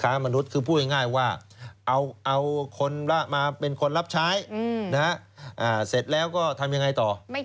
มนุษย์คือพูดง่ายว่าเอาคนละมาเป็นคนรับใช้เสร็จแล้วก็ทำยังไงต่อ